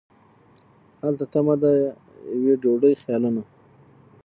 هلته تمه د یوې ډوډۍ خیالونه